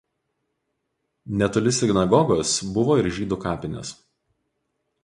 Netoli sinagogos buvo ir žydų kapinės.